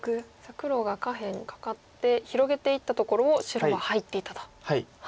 黒が下辺にカカって広げていったところを白が入っていったと。